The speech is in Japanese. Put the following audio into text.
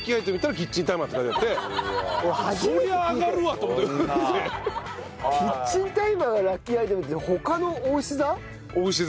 キッチンタイマーがラッキーアイテムって他のおうし座。